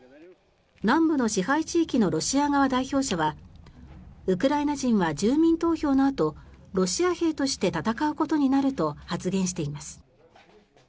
南部の支配地域のロシア側代表者はウクライナ人は住民投票のあとロシア兵として戦うことになると発言しています。